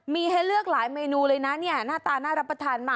มีให้เลือกหลายเมนูเลยนะเนี่ยหน้าตาน่ารับประทานมาก